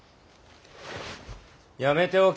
やめておけ。